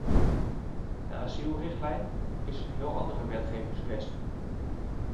De asielrichtlijn is een heel andere wetgevingskwestie.